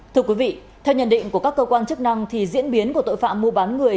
thưa quý vị theo nhận định của các cơ quan chức năng thì diễn biến của tội phạm mua bán người